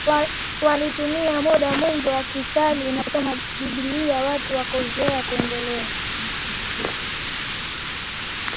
Walitumia muda mwingi wakisali na kusoma Biblia Watu wakazoea kuwaendea